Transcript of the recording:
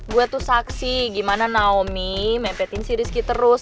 gue tuh saksi gimana naomi mepetin si rizky terus